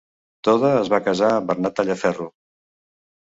Toda es va casar amb Bernat Tallaferro.